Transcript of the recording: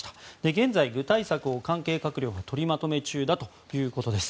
現在、具体策を関係閣僚が取りまとめ中だということです。